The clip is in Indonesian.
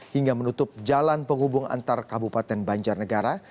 hingga menutup jalan penghubung antar kabupaten banjarnegara